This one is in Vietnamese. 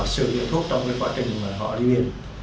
sử dụng thuốc trong cái quá trình mà họ đi biển